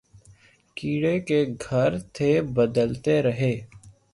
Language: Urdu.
Kiray K Ghar Thay Badalty Rahay